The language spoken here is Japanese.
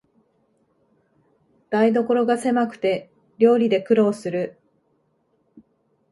台所がせまくて料理で苦労する